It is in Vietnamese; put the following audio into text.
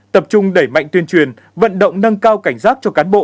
tập trung đẩy mạnh tuyên truyền vận động nâng cao cảnh giác cho cán bộ